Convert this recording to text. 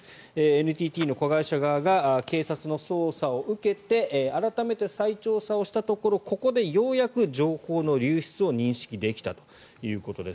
ＮＴＴの子会社側が警察の捜査を受けて改めて再調査をしたところここでようやく情報の流出を認識できたということです。